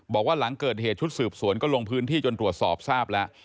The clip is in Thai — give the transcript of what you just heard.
บอกว่าหลังเกิดเหตุชุดสืบสวนก็ลงพื้นที่จนตรวจสอบทราบแล้ว